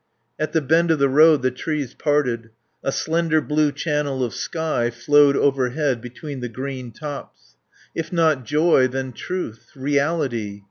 At the bend of the road the trees parted. A slender blue channel of sky flowed overhead between the green tops. If not joy, then truth; reality.